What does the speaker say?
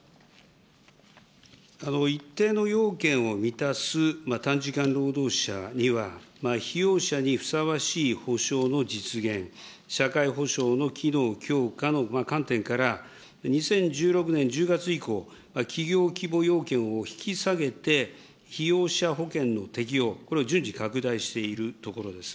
一定の要件を満たす短時間労働者には被用者にふさわしいほしょうの実現、社会保障の機能強化の観点から、２０１６年１０月以降、企業規模要件を引き下げて被用者保険の適用、これを順次拡大しているところです。